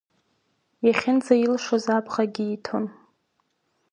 Иахьынӡаилшоз абӷагь ииҭон.